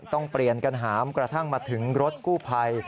ต้องเปลี่ยนกันหามกระทั่งมาถึงรถกู้ภัย